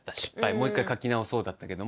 もう一回書き直そう」だったけども